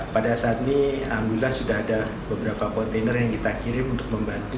pada saat ini alhamdulillah sudah ada beberapa kontainer yang kita kirim untuk membantu